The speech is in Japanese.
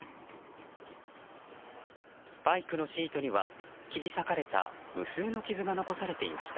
バイクのシートには切り裂かれた無数の傷が残されていました。